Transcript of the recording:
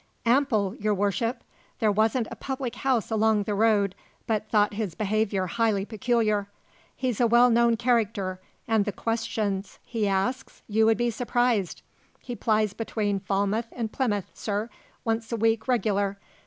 "Ample, y'r worship. There wasn't a public house along the road but thought his behaviour highly peculiar. He's a well known character, an' the questions he asks you would be surprised. He plies between Falmouth and Plymouth, sir, once a week regular.